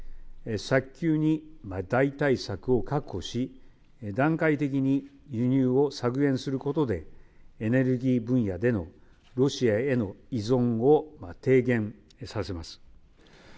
早急に代替策を確保し、段階的に輸入を削減することで、エネルギー分野でのロシアへの依存を低減させます。